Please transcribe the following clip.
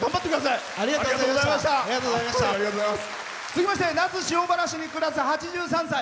続きまして那須塩原市に暮らす８３歳。